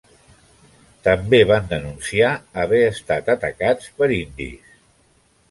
També van denunciar haver estat atacats per indis.